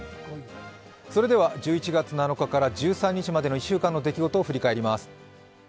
１１月７日から１３日までの１週間の出来事を振り返ります。